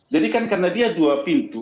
jadi kan karena dia dua pintu